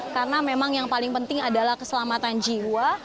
karena memang yang paling penting adalah keselamatan jiwa